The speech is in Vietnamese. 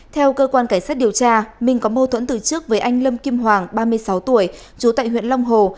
theo cơ quan cảnh sát điều tra minh có mâu thuẫn từ trước với anh lâm kim hoàng ba mươi sáu tuổi trú tại huyện long hồ